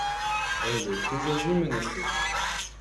Elle est aujourd'hui menacée.